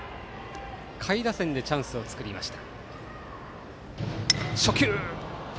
下位打線でチャンスを作りました。